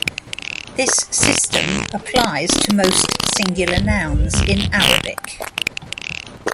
This system applies to most singular nouns in Arabic.